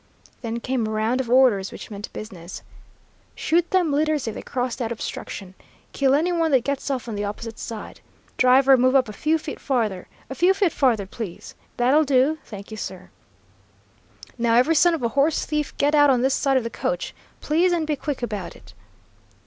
Then came a round of orders which meant business. 'Shoot them leaders if they cross that obstruction!' 'Kill any one that gets off on the opposite side!' 'Driver, move up a few feet farther!' 'A few feet farther, please.' 'That'll do; thank you, sir.' 'Now, every son of a horse thief, get out on this side of the coach, please, and be quick about it!'